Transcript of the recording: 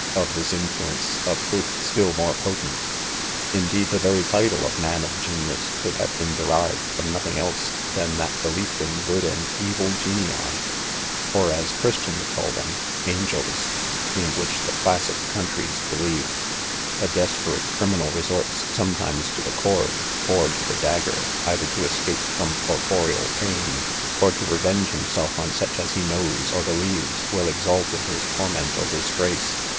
of this influence, a proof still more potent Indeed, the vercy title of <£ inan of Q'enius/' could have been derived from BQthhi!. 1 ' e Sl.'/: than thnt belief in t'ood Rail evil p'tniij.. j, PREFACE. (or, as Christians call them, angels), in. which the classic eouatries believed. A desperate criminal resorts sometimes to the cord, or to 'the dagger, either to eseape from corporeal pain, or to revenge himself on sucli as he knows or believes will ex ult in his torment or disgrace.